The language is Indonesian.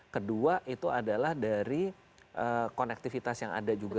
kedua itu adalah dari konektivitas yang ada juga